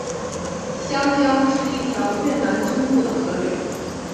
香江是一条越南中部的河流。